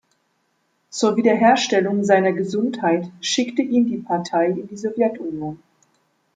Zur Wiederherstellung seiner Gesundheit schickte ihn die Partei in die Sowjetunion.